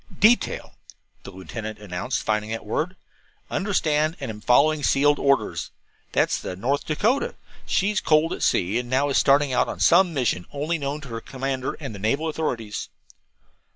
"DETAIL," the lieutenant announced, finding that word. "'Understand and am following sealed orders'. That's the North Dakota. She has coaled at sea and is now starting upon some mission known only to her commander and the naval authorities."